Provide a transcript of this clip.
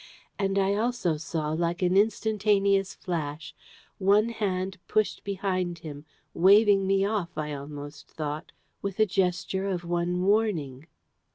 And I also saw, like an instantaneous flash, one hand pushed behind him, waving me off, I almost thought, with the gesture of one warning.